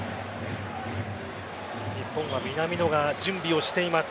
日本は南野が準備をしています。